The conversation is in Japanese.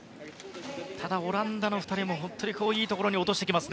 ただ、オランダの２人もいいところに落としてきます。